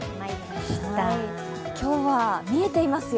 今日は見えていますよ。